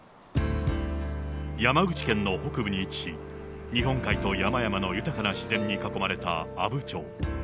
山口県の北部に位置し、日本海と山々の豊かな自然に囲まれた阿武町。